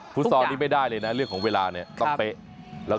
ซอลนี้ไม่ได้เลยนะเรื่องของเวลาเนี่ยต้องเป๊ะ